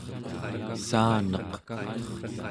saaneq